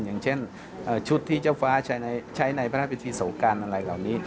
อย่างเช่นชุดที่เจ้าฟ้าใช้ในพระราชพิธีสงการอะไรเหล่านี้